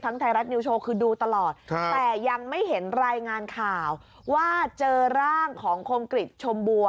ไทยรัฐนิวโชว์คือดูตลอดแต่ยังไม่เห็นรายงานข่าวว่าเจอร่างของคมกริจชมบัว